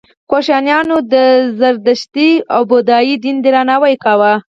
کوشانیانو د زردشتي او بودايي دین درناوی کاوه